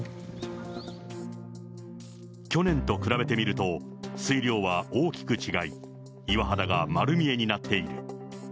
去年と比べてみると、水量は大きく違い、岩肌が丸見えになっている。